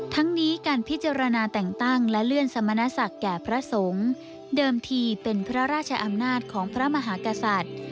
ทั้งนี้การพิจารณาแต่งตั้งและเลื่อนสมณศักดิ์แก่พระสงฆ์เดิมทีเป็นพระราชอำนาจของพระมหากษัตริย์